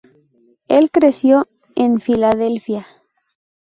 Él creció en Filadelfia.